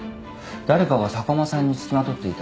誰かが坂間さんに付きまとっていた。